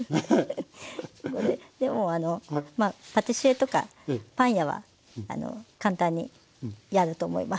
これでもあのまあパティシエとかパン屋は簡単にやると思います。